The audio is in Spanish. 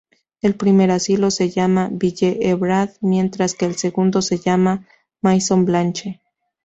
El primer asilo se llama Ville-Évrard mientras que el segundo se llama Maison Blanche.